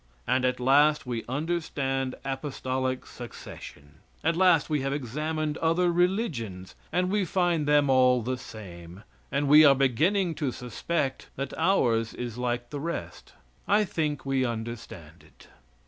And at last we understand apostolic succession. At last we have examined other religions, and we find them all the same, and we are beginning to suspect that ours is like the rest. I think we understand it.